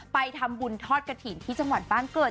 ไปทำบุญทอดกระถิ่นที่จังหวัดบ้านเกิด